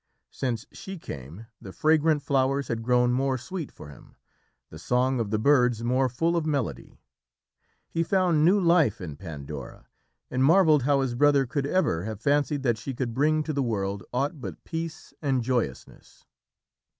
Since she came the fragrant flowers had grown more sweet for him, the song of the birds more full of melody. He found new life in Pandora and marvelled how his brother could ever have fancied that she could bring to the world aught but peace and joyousness.